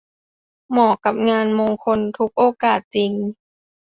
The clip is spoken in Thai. เหมาะกับงานมงคลทุกโอกาสจริง